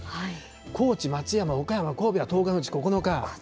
高知、松山、岡山、神戸は１０日のうち９日。